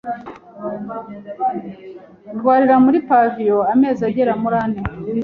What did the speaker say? ndwarira muri pavillon amezi agera muri ane